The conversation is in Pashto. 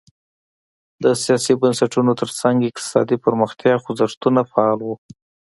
د سیاسي بنسټونو ترڅنګ اقتصادي پرمختیا خوځښتونه فعال وو.